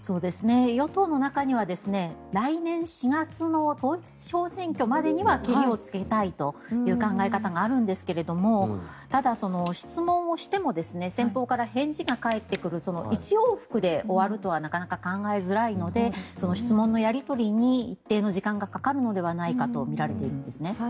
与党の中には来年４月の統一地方選挙までにはけりをつけたいという考え方があるんですがただ、質問をしても先方から返事が返ってくる１往復で終わるとはなかなか考えづらいので質問のやり取りに一定の時間がかかるのではないかとみられているんですね。